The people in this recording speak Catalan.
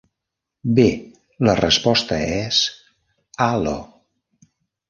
Bé, la resposta és... A Io.